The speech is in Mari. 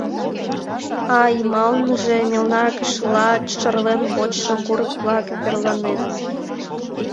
А йымалныже мелна кышылла шарлен вочшо курык-влак верланеныт.